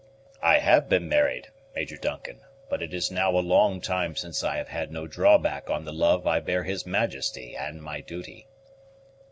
"I have been married, Major Duncan; but it is now a long time since I have had no drawback on the love I bear his majesty and my duty."